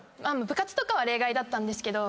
部活とかは例外だったんですけど